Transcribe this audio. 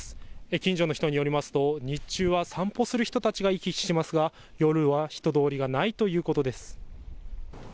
近所の人によりますと日中は散歩する人たちが行き来しますが夜は人通りがないということです。